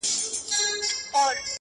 اوس و شپې ته هيڅ وارخطا نه يمه’